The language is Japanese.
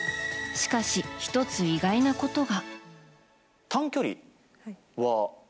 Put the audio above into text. しかし、１つ意外なことが。